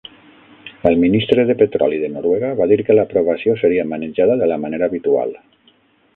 El ministre de petroli de Noruega va dir que l'aprovació seria manejada de la manera habitual.